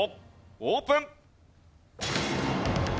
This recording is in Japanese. オープン！